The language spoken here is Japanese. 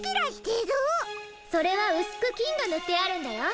それはうすくきんがぬってあるんだよ。